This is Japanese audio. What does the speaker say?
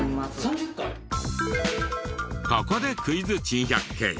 ここでクイズ珍百景。